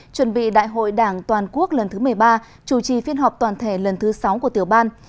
chuẩn bị đại hội đảng toàn quốc lần thứ một mươi ba chủ trì phiên họp toàn thể lần thứ sáu của tiểu ban